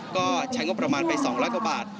ก็ใช้งบประมาณไป๒๐๐กว่าบาท